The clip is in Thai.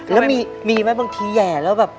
แล้วมีไหมบางทีแห่แล้วแบบ